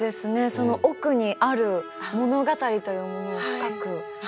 その奥にある物語というものを深く感じますね。